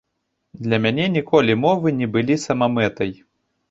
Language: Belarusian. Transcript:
Для мяне ніколі мовы не былі самамэтай.